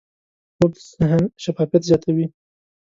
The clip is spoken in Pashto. خوب د ذهن شفافیت زیاتوي